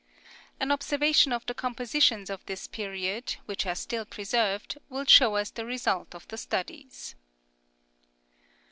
An observation of the compositions of this period, which are still preserved, will show us the result of the studies.